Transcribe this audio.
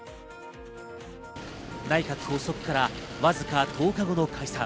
内閣発足からわずか１０日後の解散。